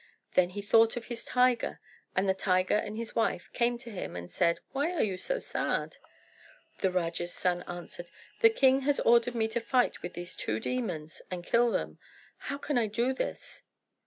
Then he thought of his tiger: and the tiger and his wife came to him and said, "Why are you so sad?" The Raja's son answered, "The king has ordered me to fight with his two demons and kill them. How can I do this?"